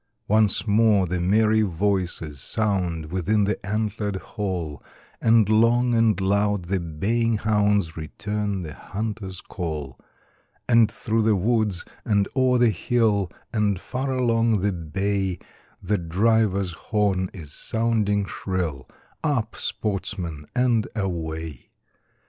Once more the merry voices sound Within the antlered hall, And long and loud the baying hounds Return the hunter's call; And through the woods, and o'er the hill, And far along the bay, The driver's horn is sounding shrill, Up, sportsmen, and away!